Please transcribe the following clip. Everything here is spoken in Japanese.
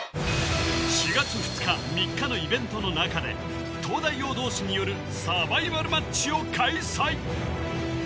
４月２日３日のイベントの中で東大王同士によるサバイバルマッチを開催